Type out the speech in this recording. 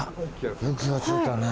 よく気がついたね。